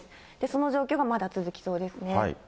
その状況がまだ続きそうですね。